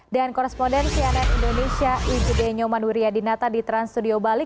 dan koresponden cnn indonesia ijde nyoman wuryadinata di trans studio bali